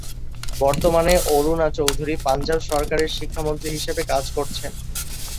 বর্তমানে অরুণা চৌধুরী পাঞ্জাব সরকারের শিক্ষা মন্ত্রী হিসেবে কাজ করছেন।